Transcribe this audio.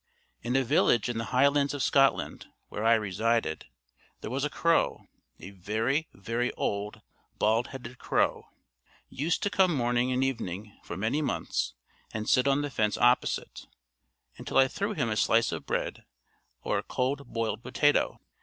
In a village in the Highlands of Scotland, where I resided, there was a crow, a very very old, bald headed crow, used to come morning and evening, for many months, and sit on the fence opposite, until I threw him a slice of bread or a cold boiled potato.